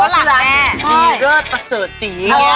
อ๋อชื่อร้านดีเลิศประเสิร์ตศรี